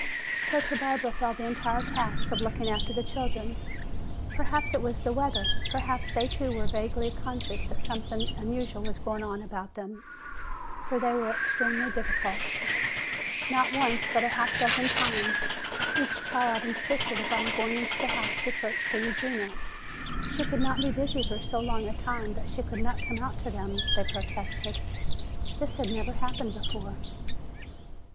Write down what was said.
So to Barbara fell the entire task of looking after the children. Perhaps it was the weather, perhaps they too were vaguely conscious that something unusual was going on about them, for they were extremely difficult. Not once, but half a dozen times, each child insisted upon going into the house to search for Eugenia. She could not be busy for so long a time that she could not come out to them, they protested. This had never happened before.